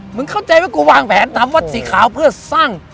เข้าใจว่ากูวางแผนทำวัดสีขาวเพื่อสร้าง